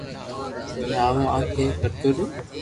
ھمي اون آ اي ڪرتو ريو